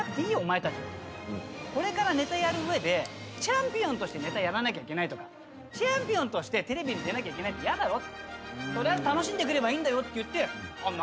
「これからネタやる上でチャンピオンとしてネタやらなきゃいけないとかチャンピオンとしてテレビに出なきゃいけないって嫌だろ？」って言ってなるほどなそれは確かにそうだ。